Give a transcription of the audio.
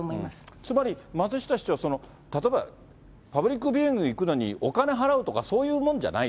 つまり、松下市長は、例えば、パブリックビューイング行くのにお金払うとか、そういうもんじゃない。